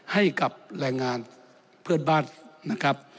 ให้กับแรงงานเพื่อนบ้านนะครับ